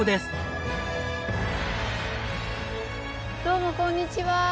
どうもこんにちは。